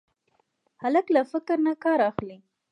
هلک له فکر نه کار اخلي.